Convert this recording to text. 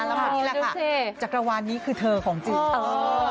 แล้วพอนี้แหละค่ะจักรวาลนี้คือเธอของจิ๊บ